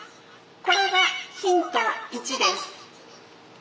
これがヒント１です。